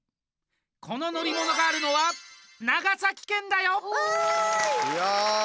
この乗り物があるのは長崎県だよ！